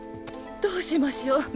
どうしましょ？